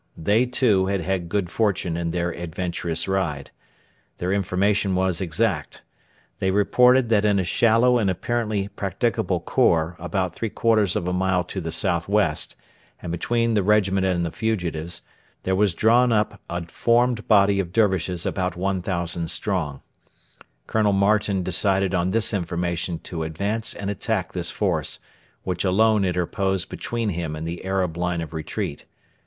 They, too, had had good fortune in their adventurous ride. Their information was exact. They reported that in a shallow and apparently practicable khor about three quarters of a mile to the south west, and between the regiment and the fugitives, there was drawn up a formed body of Dervishes about 1,000 strong. Colonel Martin decided on this information to advance and attack this force, which alone interposed between him and the Arab line of retreat.